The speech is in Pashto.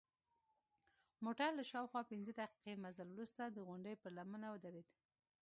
موټر له شاوخوا پنځه دقیقې مزل وروسته د غونډۍ پر لمنه ودرید.